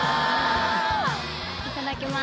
いただきます。